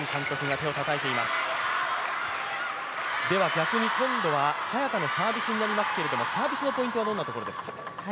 逆に今度は早田のサービスになりますけれども、サービスのポイントはどんなところですか？